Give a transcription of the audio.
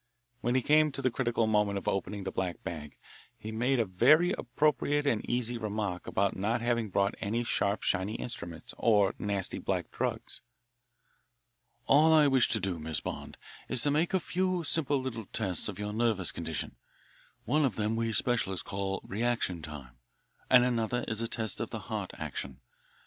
When he came to the critical moment of opening the black bag, he made a very appropriate and easy remark about not having brought any sharp shiny instruments or nasty black drugs. "All I wish to do, Miss Bond, is to make a few, simple little tests of your nervous condition. One of them we specialists call reaction time, and another is a test of heart action.